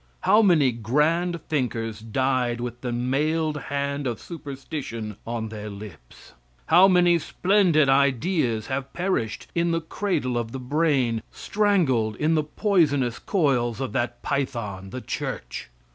How many grand thinkers died with the mailed hand of superstition on their lips? How many splendid ideas have perished in the cradle of the brain, strangled in the poisonous coils of that python, the church!